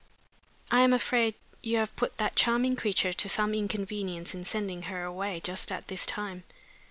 "I am afraid you have put that charming creature to some inconvenience in sending her away just at this time."